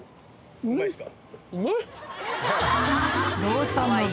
うまいっすか？